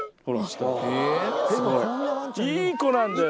いい子なんだよ。